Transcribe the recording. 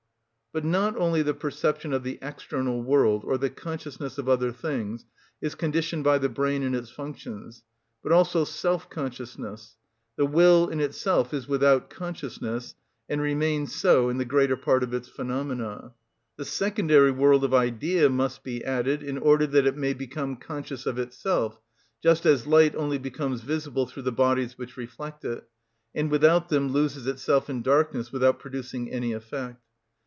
But not only the perception of the external world, or the consciousness of other things, is conditioned by the brain and its functions, but also self‐consciousness. The will in itself is without consciousness, and remains so in the greater part of its phenomena. The secondary world of idea must be added, in order that it may become conscious of itself, just as light only becomes visible through the bodies which reflect it, and without them loses itself in darkness without producing any effect.